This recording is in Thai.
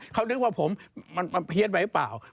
เขานึกว่าผมมันเฮียดไหมเปล่า